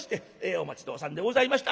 「お待ち遠さんでございました。